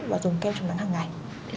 và dùng kem trùng nắng hàng ngày